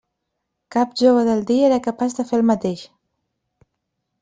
Cap jove del dia era capaç de fer el mateix!